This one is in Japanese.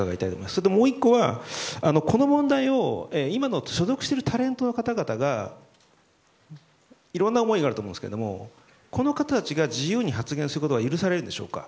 それともう１個はこの問題を今の所属しているタレントの方々もいろんな思いがあると思うんですが、この方々が自由に発言することが許されるんでしょうか。